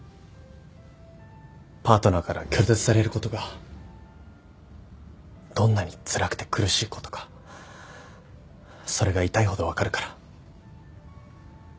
パートナーから拒絶されることがどんなにつらくて苦しいことかそれが痛いほど分かるから。